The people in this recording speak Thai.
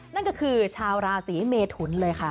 นั่นก็คือชาวราศีเมทุนเลยค่ะ